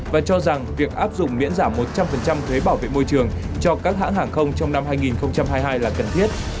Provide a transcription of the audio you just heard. và cho rằng việc áp dụng miễn giảm một trăm linh thuế bảo vệ môi trường cho các hãng hàng không trong năm hai nghìn hai mươi hai là cần thiết